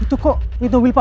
itu kok mobil bos yang depan